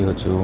ya yakin juga